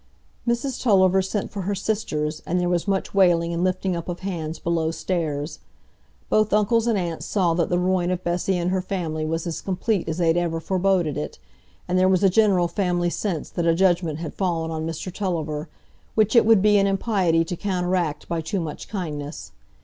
Mrs Tulliver sent for her sisters, and there was much wailing and lifting up of hands below stairs. Both uncles and aunts saw that the ruin of Bessy and her family was as complete as they had ever foreboded it, and there was a general family sense that a judgment had fallen on Mr Tulliver, which it would be an impiety to counteract by too much kindness.